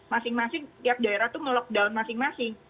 masing masing tiap daerah itu melockdown masing masing